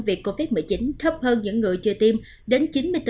vì covid một mươi chín thấp hơn những người chưa tiêm đến chín mươi bốn